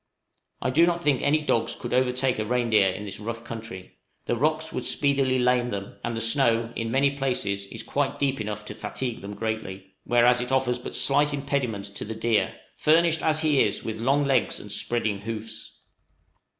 I do not think any dogs could overtake a reindeer in this rough country; the rocks would speedily lame them, and the snow, in many places, is quite deep enough to fatigue them greatly, whereas it offers but slight impediment to the deer, furnished as he is with long legs and spreading hoofs.